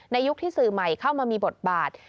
ยุคที่สื่อใหม่เข้ามามีบทบาท